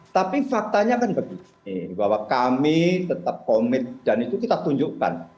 tapi faktanya kan begini bahwa kami tetap komit dan itu kita tunjukkan